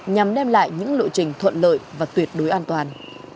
nhằm đem lại những lộ trình thuận lợi và tuyệt đối an toàn